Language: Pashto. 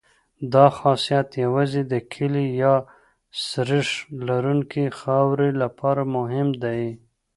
دا خاصیت یوازې د کلې یا سریښ لرونکې خاورې لپاره مهم دی